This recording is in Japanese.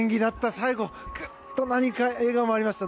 最後、グッと何か笑顔もありました。